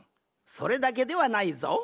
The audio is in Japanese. それだけではないぞ。